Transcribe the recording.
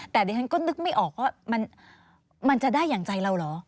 แต่ดิฉันก็นึกไม่ออกว่ามันจะได้อย่างใจเราเหรอ